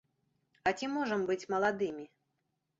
А ці можам быць маладымі?